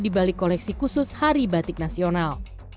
di balik koleksi khusus hari batik nasional